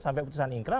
sampai putusan ingkrah